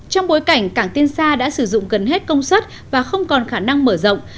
trong bối cảnh cảng tiên sa đã sử dụng gần hết công suất và không còn khả năng mở rộng